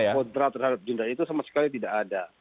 siapa yang pro terhadap jenderal itu sama sekali tidak ada